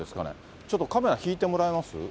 ちょっとカメラ引いてもらえます？